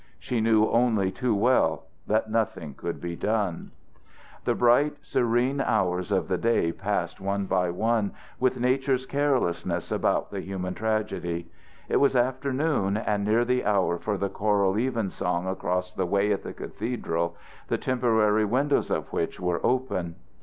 She knew only too well that nothing could be done. The bright serene hours of the day passed one by one with nature's carelessness about the human tragedy. It was afternoon and near the hour for the choral even song across the way at the cathedral, the temporary windows of which were open.